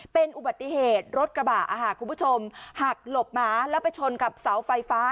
เป็นอุบัติเหตุรถกระบะคุณผู้ชมหักหลบหมาแล้วไปชนกับเสาไฟฟ้า